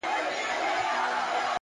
د ښه کار دوام شخصیت جوړوي!.